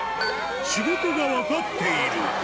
仕事が分かっている。